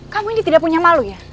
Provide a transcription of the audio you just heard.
kamu ini tidak punya malu ya